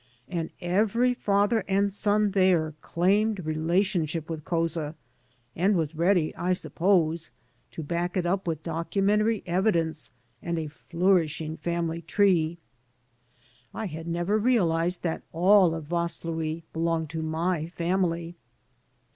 And every father and son there claimed relationship with Couza, and was ready, I suppose, to 15 AN AMERICAN IN THE MAKING back it up with documentary evidence and a flourishing family tree. I had never realized that all of Vaslui belonged to my family.